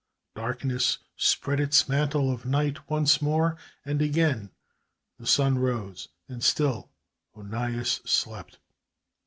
Darkness spread its mantle of night once more, and again the sun rose, and still Onias slept.